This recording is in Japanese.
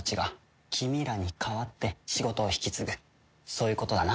そういうことだな？